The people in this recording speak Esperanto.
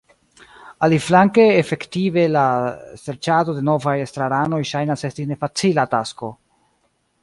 Aliflanke efektive la serĉado de novaj estraranoj ŝajnas esti nefacila tasko.